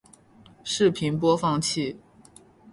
视频播放器